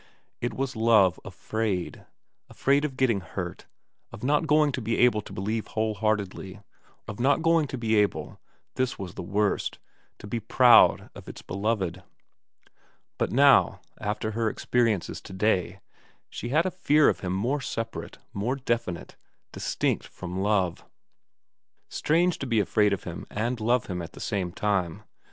It was love afraid ; afraid of getting hurt, of not going to be able to believe whole heartedly, of not going to be able this was the worst to be proud of its beloved. But now, after her experi ences to day, she had a fear of him more separate, more definite, distinct from love. Strange to be afraid of him and love him at the same time.